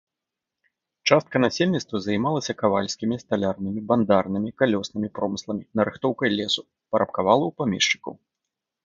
Частка насельніцтва займалася кавальскімі, сталярнымі, бандарнымі, калёснымі промысламі, нарыхтоўкай лесу, парабкавала ў памешчыкаў.